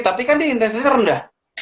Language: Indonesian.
tapi kan dia intensitasnya rendah